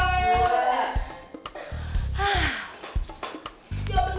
siap udang bu aja